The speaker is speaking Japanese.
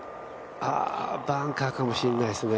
あ、バンカーかもしれないですね